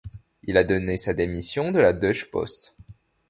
Il a donné sa démission de la Deutsche Post.